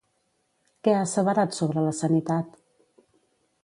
Què ha asseverat sobre la sanitat?